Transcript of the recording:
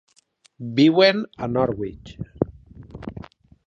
Viuen a Norwich.